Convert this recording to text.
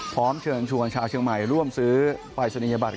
พร้อมเชิญชวนชาวเชียงใหม่ร่วมซื้อปรายศนียบัตร